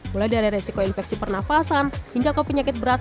mulai dari resiko infeksi pernafasan hingga ke penyakit berat